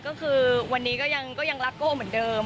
ก็คือวันนี้ก็ยังรักโก้เหมือนเดิม